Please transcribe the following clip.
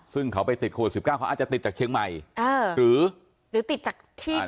ซึ่งเขาไปติดโควิด๑๙เขาอาจจะติดจากเชียงใหม่หรือติดจากที่